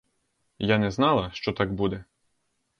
Я не знала, що так буде.